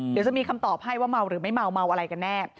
เดี๋ยวจะมีคำตอบให้ว่าเมาหรือไม่เมาเมาอะไรกันแน่